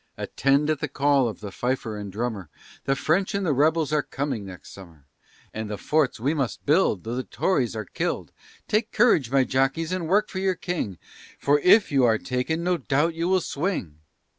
Attend at the call of the fifer and drummer, The French and the rebels are coming next summer, And the forts we must build Though the Tories are killed. Take courage, my jockies, and work for your King, For if you are taken, no doubt you will swing.